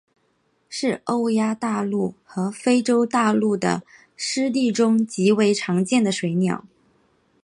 是欧亚大陆与非洲大陆的湿地中极为常见的水鸟。